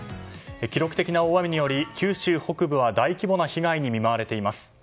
記録的な大雨により九州北部は大規模な被害に見舞われています。